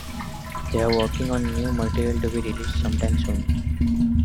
They are working on new material to be released sometime soon.